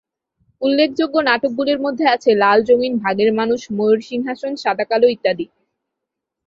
উল্লেখযোগ্য নাটকগুলির মধ্যে আছে "লাল জমিন", "ভাগের মানুষ", "ময়ূর সিংহাসন", "সাদা-কালো" ইত্যাদি।